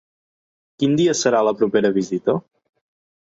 Quin dia serà la propera vista?